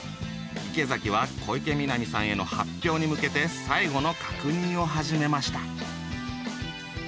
池崎は小池美波さんへの発表に向けて最後の確認を始めました。